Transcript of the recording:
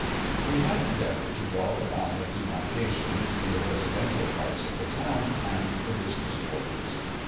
We have endeavoured to draw the line of demarcation between the residential parts of the town and the business quarters.